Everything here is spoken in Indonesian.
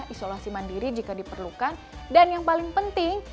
isolasi mandiri jika diperlukan dan yang paling penting